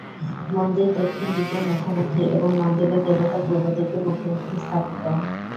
মন্দির দক্ষিণ দিকে মুখোমুখি এবং মন্দিরের দেবতা পূর্ব দিকে মুখোমুখি স্থাপিত।